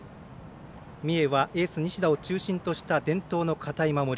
三重はエース西田を中心とした伝統の堅い守り。